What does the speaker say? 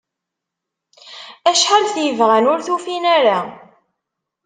Acḥal t- yebɣan, ur tufin-ara.